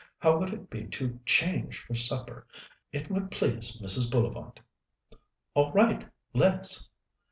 How would it be to change for supper? It would please Mrs. Bullivant." "All right, let's."